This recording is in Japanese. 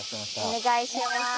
お願いします。